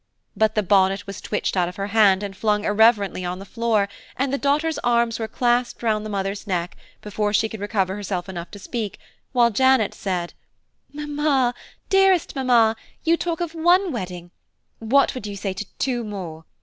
But the bonnet was twitched out of her hand and flung irreverently on the floor, and the daughters' arms were clasped round the mother's neck, before she could recover herself enough to speak, while Janet said: "Mamma, dearest mamma, you talk of one wedding; what would you say to two more?